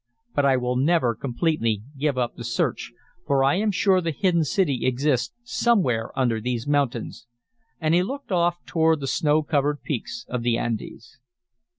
But I will never completely give up the search, for I am sure the hidden city exists somewhere under these mountains," and he looked off toward the snow covered peaks of the Andes.